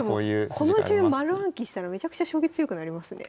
この順丸暗記したらめちゃくちゃ将棋強くなりますね。